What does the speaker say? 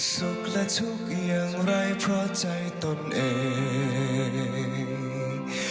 สุขและทุกข์อย่างไรเพราะใจตนเอง